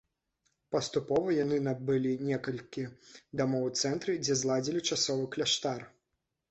Паступова яны набылі некалькі дамоў у цэнтры, дзе зладзілі часовы кляштар.